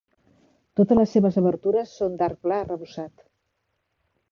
Totes les seves obertures són d'arc pla arrebossat.